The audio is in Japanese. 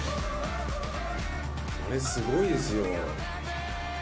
これすごいですよ。